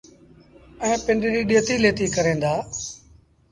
ائيٚݩ پنڊريٚ ڏيتي ليٿيٚ ڪريݩ دآ۔